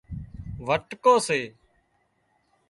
وٽلُو سي